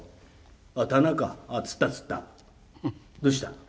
どうした？」。